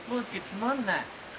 つまんない？